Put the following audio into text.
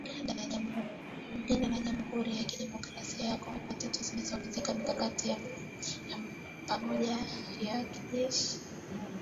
Uganda na Jamhuri ya Kidemokrasi ya Kongo Jumatano ziliongeza mikakati ya pamoja ya kijeshi